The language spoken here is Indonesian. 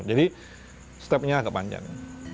jadi step nya agak panjang